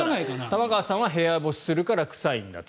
玉川さんは部屋干しするから臭いんだと。